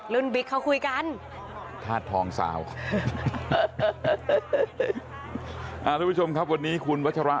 บิ๊กเขาคุยกันธาตุทองสาวอ่าทุกผู้ชมครับวันนี้คุณวัชระ